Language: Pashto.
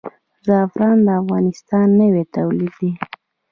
زعفران د افغانستان نوی تولید دی.